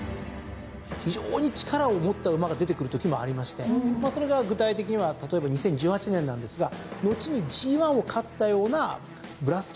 非常に力を持った馬が出てくるときもありましてそれが具体的には例えば２０１８年なんですが後にＧⅠを勝ったようなブラストワンピース。